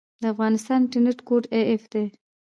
د افغانستان انټرنیټ کوډ af دی